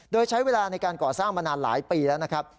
โดยใช้เวลาในการก่อสร้างมานานหลายปีแล้วนะครับ